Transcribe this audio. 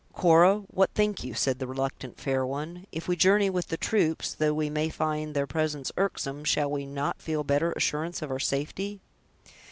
"Cora, what think you?" asked the reluctant fair one. "If we journey with the troops, though we may find their presence irksome, shall we not feel better assurance of our safety?"